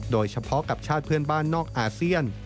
โดยเฉพาะกับชาติเพื่อนบ้านนอกอาเซียน